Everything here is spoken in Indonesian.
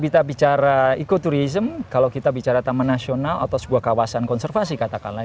kita bicara ekoturism kalau kita bicara taman nasional atau sebuah kawasan konservasi katakanlah